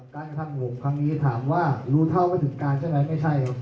การกระทั่งห่วงครั้งนี้ถามว่ารู้เท่ากันถึงการใช่ไหมไม่ใช่